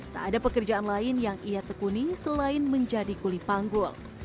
tak ada pekerjaan lain yang ia tekuni selain menjadi kuli panggul